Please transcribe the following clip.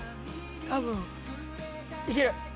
多分いける。